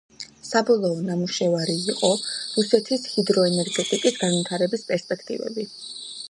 საბოლოო ნამუშევარი იყო „რუსეთის ჰიდროენერგეტიკის განვითარების პერსპექტივები“.